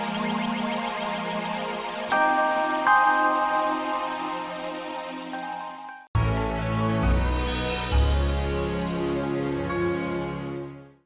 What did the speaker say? gimana kalau mereka hasilentye di estudio dua puluh delapan